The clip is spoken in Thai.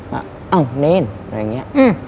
ว่าอ้าวเนรอะไรอย่างนี้